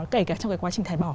kể cả trong quá trình thái bỏ